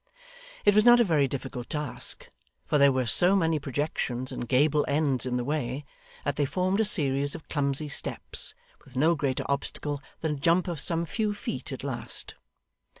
It was not a very difficult task; for there were so many projections and gable ends in the way, that they formed a series of clumsy steps, with no greater obstacle than a jump of some few feet at last.